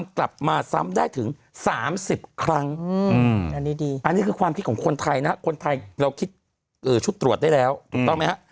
คนไทยนะคนไทยเราคิดชุดตรวจได้แล้วถูกต้องไหมฮะ